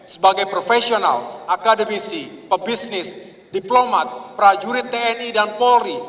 sebagai profesional akademisi pebisnis diplomat prajurit tni dan polri